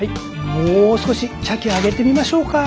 もう少し茶器上げてみましょうか。